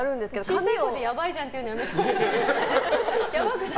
小さい声でやばいじゃんって言うのやめてください。